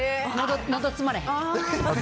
のど詰まれへん。